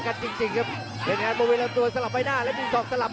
กระโดยสิ้งเล็กนี่ออกกันขาสันเหมือนกันครับ